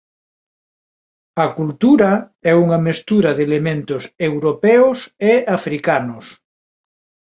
A cultura é unha mestura de elementos europeos e africanos.